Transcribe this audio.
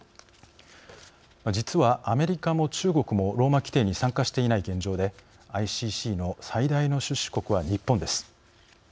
実はアメリカも中国もローマ規程に参加していない現状でＩＣＣの最大の出資国は日本です。